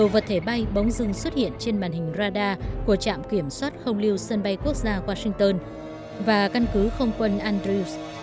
vật thể bay bong dưng xuất hiện trên màn hình radar của trạm kiểm soát không lưu sân bay quốc gia washington và căn cứ không quân andrews